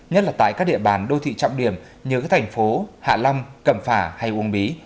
nhất là tại các địa bàn đô thị trọng điểm như các thành phố hạ long cẩm phả hay uông bí